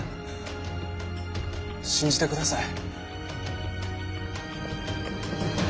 信じてください。